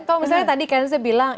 kalau misalnya tadi kanse bilang